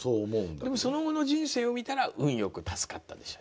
でもその後の人生を見たら「運よく助かった」でしょ